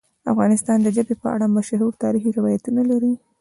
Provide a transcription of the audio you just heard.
افغانستان د ژبې په اړه مشهور تاریخی روایتونه لري.